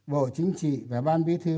bộ chính trị và ban bí thư